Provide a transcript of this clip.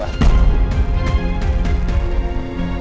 lo lihat sendiri kan